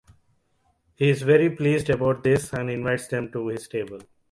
He is very pleased about this and invites them to his table.